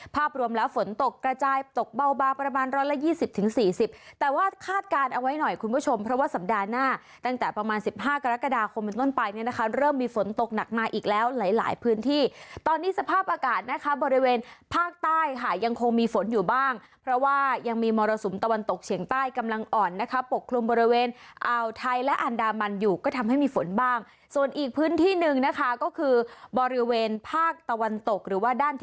ป็อบร่วมแล้วฝนตกกระจายตกเบาบาประมาณ๑๒๐ถึง๔๐แต่ว่าคาดการณ์เอาไว้หน่อยคุณผู้ชมเพราะว่าสัปดาห์หน้าตั้งแต่๑๕กรกฎาคมบินต้นไปเริ่มมีฝนตกหนักมาหลายพื้นที่ตอนนี้สภาพอากาศบริเวณภาคใต้ยังมีฝนอยู่บ้างเพราะว่ายังมีมรสุมตะวันตกเฉียงใต้กำลังอ่อนปกครวมกรอบบริเว